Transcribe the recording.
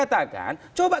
kalau kita lihat